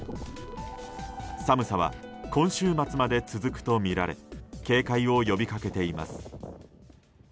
寒さは今週末まで続くとみられ警戒を呼びかけています。